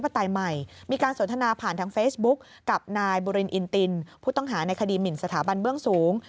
ทั้งเฟซบุ๊กกับนายบุรินอินตินผู้ต้องหาในคดีหมินสถาบันเบื้องสูง